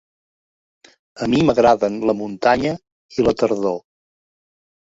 A mi m'agraden la muntanya i la tardor.